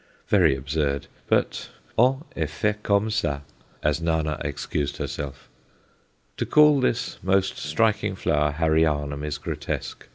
Very absurd; but on est fait comme ça, as Nana excused herself. To call this most striking flower "Harryanum" is grotesque.